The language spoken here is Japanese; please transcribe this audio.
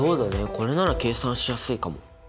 これなら計算しやすいかも。